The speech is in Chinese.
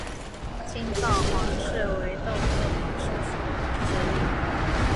青藏黄耆为豆科黄芪属的植物。